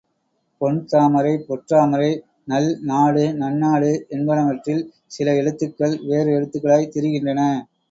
பொன் தாமரை பொற்றாமரை, நல் நாடு நன்னாடு என்பனவற்றில், சில எழுத்துகள் வேறு எழுத்துகளாய்த் திரிகின்றன.